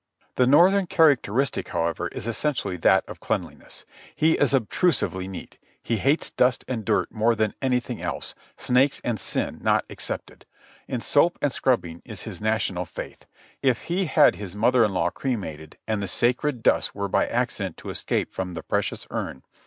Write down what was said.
The Northern characteristic, however, is essentially that of cleanliness; he is obtrusively neat ; he hates dust and dirt more than anything else, snakes and sin not excepted; in soap and scrubbing is his national faith. If he had his mother in law cremated and the sacred dust were by accident to escape from the precious urn.